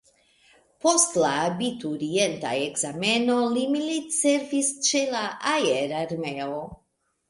Post la abiturienta ekzameno li militservis ĉe la aerarmeo.